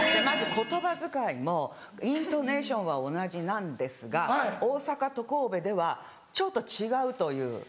まず言葉遣いもイントネーションは同じなんですが大阪と神戸ではちょっと違うという。